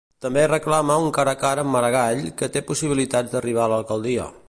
També reclama un cara a cara amb Maragall, que té possibilitats d'arribar a l'alcaldia.